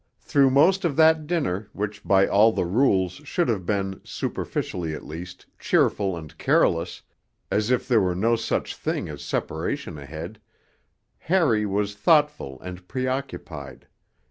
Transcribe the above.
Through most of that dinner, which by all the rules should have been, superficially at least, cheerful and careless, as if there were no such thing as separation ahead, Harry was thoughtful and preoccupied.